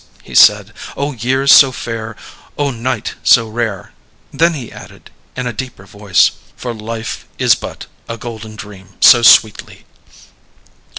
he said. "Oh, years so fair; oh, night so rare!" Then he added, in a deeper voice: "For life is but a golden dream so sweetly."